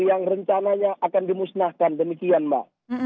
yang rencananya akan dimusnahkan demikian mbak